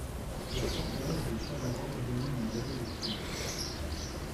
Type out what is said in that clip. La forteresse de Chavaroche domine la vallée du Fier.